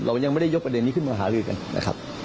เรายังไม่ได้ยกประเด็นนี้ขึ้นมาหาลือกันนะครับ